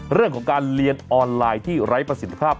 เรื่องของการเรียนออนไลน์ที่ไร้ประสิทธิภาพ